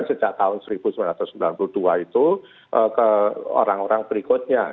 sejak tahun seribu sembilan ratus sembilan puluh dua itu ke orang orang berikutnya